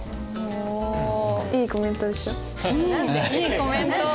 うんいいコメント。